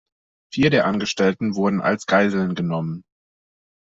Vier der Angestellten wurden als Geiseln genommen.